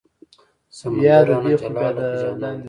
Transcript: سمندر رانه جلا لکه جانان دی